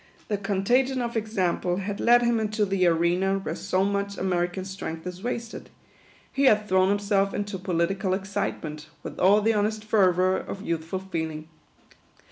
The contagion of example had led him into the arena where so much American strength is wasted ; he had thrown himself into political excitement, with all the honest fervour of youthful feeling.